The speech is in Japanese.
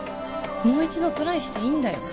もう一度トライしていいんだよ